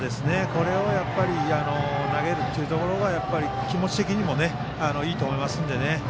これをやはり投げるというのが気持ち的にもいいと思いますので。